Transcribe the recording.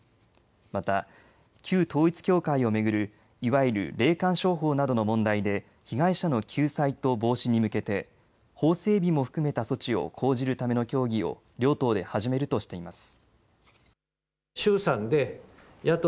また旧統一教会を巡るいわゆる霊感商法などの問題で被害者の救済と防止に向けて法整備も含めた措置を講じるための協議を両党で始めるとしています。